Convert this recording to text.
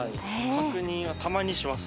確認はたまにします。